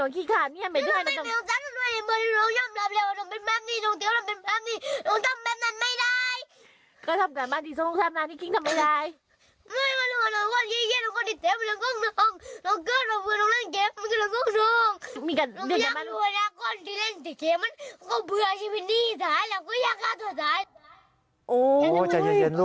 ก็ทำแบบนั้นนี่คิ่งทำไม่ได้